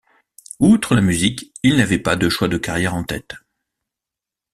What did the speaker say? Outre la musique, il n'avait pas de choix de carrière en tête.